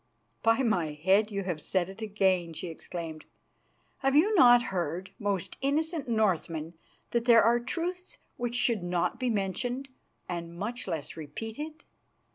"By my head, you have said it again," she exclaimed. "Have you not heard, most innocent Northman, that there are truths which should not be mentioned and much less repeated?"